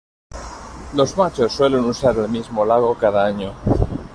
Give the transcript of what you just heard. Los machos suelen usar el mismo lago cada año.